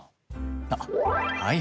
あっはい